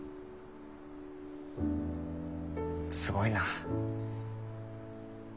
すごいな。